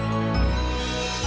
kau mau cari siapa